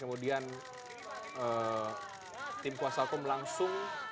kemudian tim kuasa hukum langsung